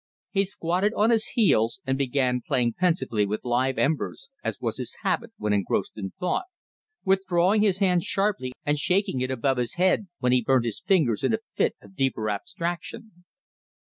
He squatted on his heels and began playing pensively with live embers, as was his habit when engrossed in thought, withdrawing his hand sharply and shaking it above his head when he burnt his fingers in a fit of deeper abstraction.